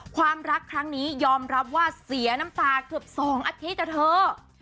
ความรักครั้งนี้ยอมรับว่าเสียน้ำตาเกือบ๒อาทิตย์นะเธอ